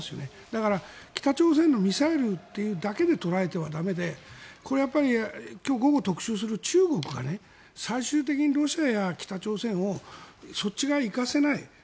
だから北朝鮮のミサイルというだけで捉えては駄目でこれはやっぱり今日午後、特集する中国が最終的にロシアや北朝鮮をそっち側に行かせない。